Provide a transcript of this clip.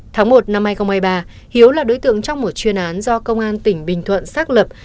tháng một năm hai nghìn hai mươi ba hiếu là đối tượng trong một chuyên án do công an tỉnh bình thuận xác lập